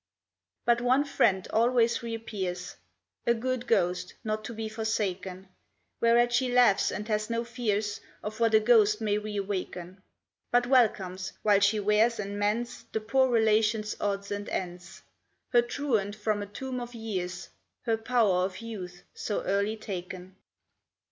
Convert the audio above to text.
But one friend always reappears, A good ghost, not to be forsaken; Whereat she laughs and has no fears Of what a ghost may reawaken, But welcomes, while she wears and mends The poor relation's odds and ends, Her truant from a tomb of years Her power of youth so early taken.